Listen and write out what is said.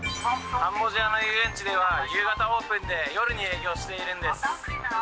カンボジアの遊園地では夕方オープンで夜に営業しているんです。